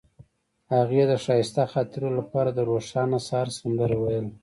هغې د ښایسته خاطرو لپاره د روښانه سهار سندره ویله.